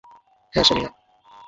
হ্যাঁ, সোনিয়া।